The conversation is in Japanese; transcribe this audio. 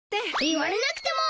言われなくても。